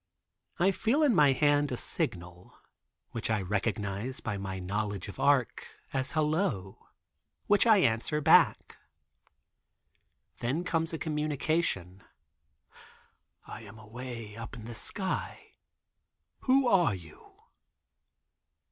I feel in my hand a signal, which I recognize. By my knowledge of Arc as a "hello," which I answer back. Then comes a communication: "I am away up in the sky. Who are you?"